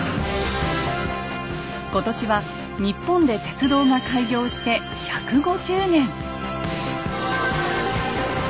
今年は日本で鉄道が開業して１５０年。